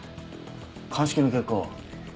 鑑識の結果は？